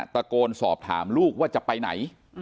ตะโกนสอบถามลูกว่าจะไปไหน